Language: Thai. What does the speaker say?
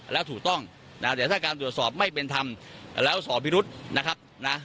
แล้วถูกต้องนะแต่ถ้าการตรวจสอบไม่เป็นธรรมแล้วสอบพิรุษนะครับนะ